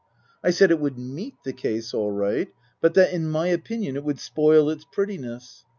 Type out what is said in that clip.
I said it would meet the case all right, but that in my opinion it would spoil its prettiness.